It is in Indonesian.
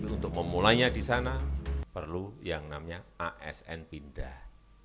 untuk memulainya di sana perlu yang namanya asn pindah